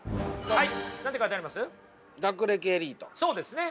はい。